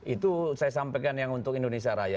itu saya sampaikan yang untuk indonesia raya